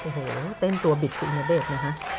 โอ้โหเต้นตัวบิดคุณณเดชน์นะคะ